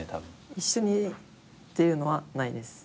一緒にっていうのはないです。